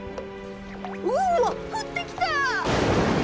うわっふってきた！